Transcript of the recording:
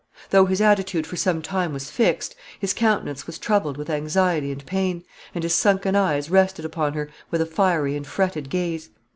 Though his attitude for some time was fixed, his countenance was troubled with anxiety and pain, and his sunken eyes rested upon her with a fiery and fretted gaze.